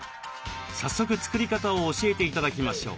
早速作り方を教えて頂きましょう。